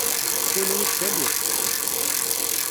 Kenwi d taluft.